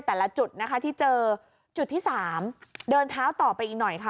แต่ละจุดนะคะที่เจอจุดที่สามเดินเท้าต่อไปอีกหน่อยค่ะ